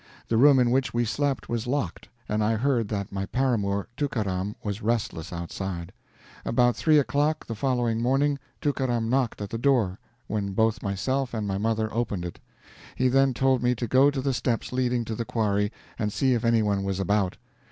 The room in which we slept was locked, and I heard that my paramour, Tookaram, was restless outside. About 3 o'clock the following morning Tookaram knocked at the door, when both myself and my mother opened it. He then told me to go to the steps leading to the quarry, and see if any one was about.